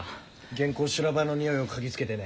原稿修羅場のにおいを嗅ぎつけてね。